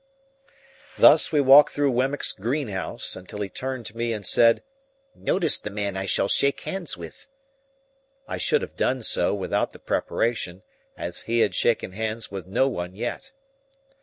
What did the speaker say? Thus, we walked through Wemmick's greenhouse, until he turned to me and said, "Notice the man I shall shake hands with." I should have done so, without the preparation, as he had shaken hands with no one yet.